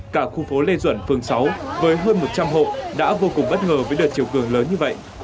cả khu phố lê duẩn phường sáu với hơn một trăm linh hộ đã vô cùng bất ngờ với đợt chiều cường lớn như vậy